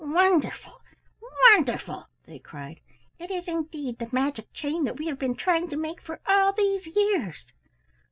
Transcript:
"Wonderful! wonderful!" they cried. "It is indeed the magic chain that we have been trying to make for all these years.